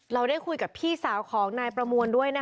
เราได้คุยกับพี่สาวของนายประมวลด้วยนะคะ